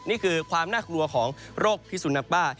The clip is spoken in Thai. นี่คือความน่ากลัวของโรคพิสุนักบ้า